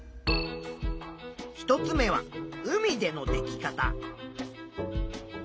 １つ目は海でのでき方。